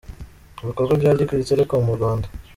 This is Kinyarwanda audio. Ibikorwa bya Liquid telecom mu Rwanda.